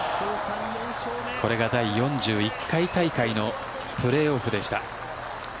これが第４１回大会のプレーオフでした。